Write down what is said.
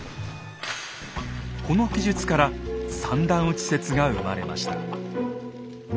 この記述から「三段撃ち」説が生まれました。